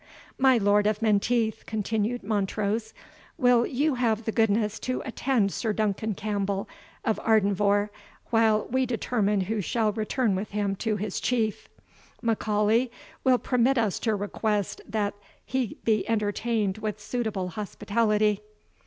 "My Lord of Menteith," continued Montrose, "will you have the goodness to attend Sir Duncan Campbell of Ardenvohr, while we determine who shall return with him to his Chief? M'Aulay will permit us to request that he be entertained with suitable hospitality."